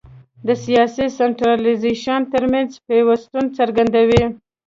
د سیاسي سنټرالیزېشن ترمنځ پیوستون څرګندوي.